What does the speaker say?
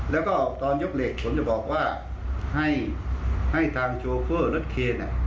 แล้วก็ตอนยกเหล็กผมจะบอกว่าให้ทางโชเฟอร์รถเคน